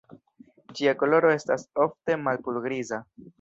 Ĝia koloro estas ofte malpur-griza.